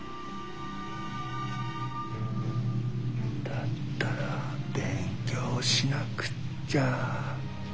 だったら勉強しなくっちゃ。